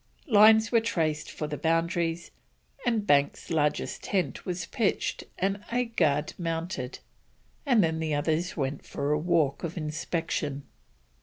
Lines were traced for the boundaries, and Banks's largest tent was pitched and a guard mounted, and then the others went for a walk of inspection.